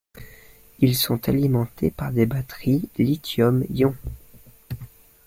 Ils sont alimentés par des batteries lithium-ion.